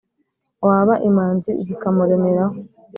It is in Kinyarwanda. waba imanzi zikamuremeraho